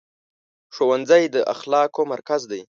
ښوونځی د اخلاقو مرکز دی.